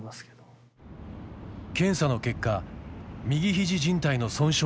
検査の結果右肘じん帯の損傷が判明。